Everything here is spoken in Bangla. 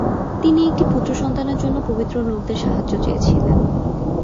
তিনি একটি পুত্র সন্তানের জন্য পবিত্র লোকদের সাহায্য চেয়েছিলেন।